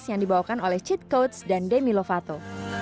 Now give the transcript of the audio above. yang dibawakan oleh chit coats dan demi lovato